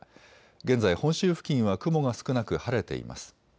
現在、本州付近は雲が少なく晴れています。